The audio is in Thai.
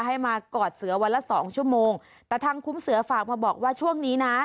ให้มากอดเสือวันละสองชั่วโมงแต่ทางคุ้มเสือฝากมาบอกว่าช่วงนี้นะ